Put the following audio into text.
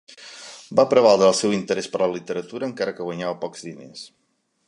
Va prevaldre el seu interès per la literatura, encara que guanyava pocs diners.